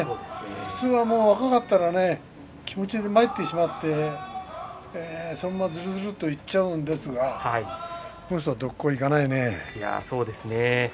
普通、若かったら気持ちでまいってしまってそのままずるずるといっちゃうんですけれどもこの人は、どっこいいかないね。